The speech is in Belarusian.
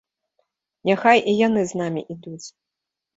Няхай і яны з намі ідуць.